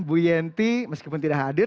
ibu yenty meskipun tidak hadir